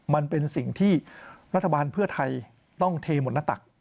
มันเป็นสิ่งที่รัฐบาลเพื่อไทยต้องเทหมดหน้าตัก